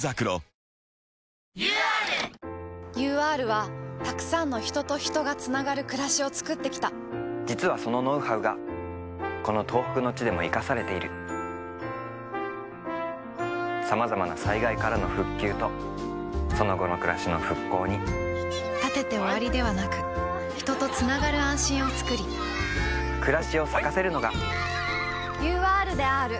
ＵＲＵＲはたくさんの人と人がつながるくらしをつくってきた実はそのノウハウがこの東北の地でも活かされているさまざまな災害からの「復旧」とその後のくらしの「復興」に建てて終わりではなく人とつながる安心をつくり“くらし”を咲かせるのがＵＲであーるＵＲであーる